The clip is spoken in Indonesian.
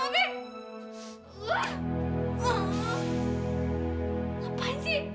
hah aku sempurna mami